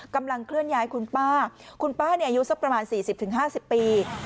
กำลังเคลื่อนย้ายคุณป้าคุณป้าอายุสักประมาณ๔๐๕๐ปี